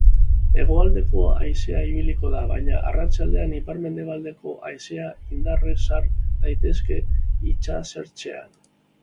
Hegoaldeko haizea ibiliko da, baina arratsaldean ipar-mendebaldeko haizea indarrez sar daitezke itsasertzean.